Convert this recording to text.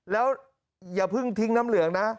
แล้วอย่าเพิ่งทิ้งน้ำเหลืองนะ